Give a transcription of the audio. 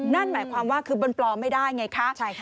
นั่นหมายความว่าคือมันปลอมไม่ได้ไงคะ